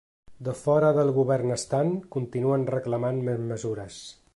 De fora del govern estant, continuen reclamant més mesures.